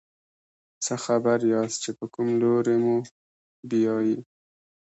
څه خبر یاست چې په کوم لوري موبیايي.